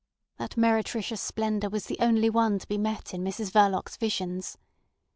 That meretricious splendour was the only one to be met in Mrs Verloc's visions.